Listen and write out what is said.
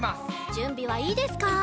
じゅんびはいいですか？